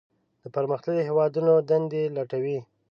د پرمختللو هیوادونو دندې لټوي.